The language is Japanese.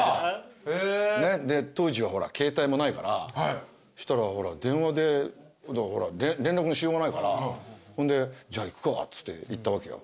当時はほら携帯もないからしたら電話で連絡のしようがないからほんでじゃあ行くかっつって行ったわけよ。